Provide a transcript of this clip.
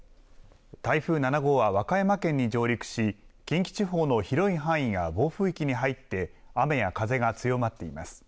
台風７号は和歌山県に上陸し近畿地方の広い範囲が暴風域に入って雨や風が強まっています。